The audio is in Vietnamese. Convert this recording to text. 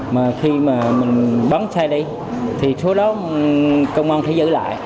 mà khi mà mình bấm xe đi thì số đó công an sẽ giữ lại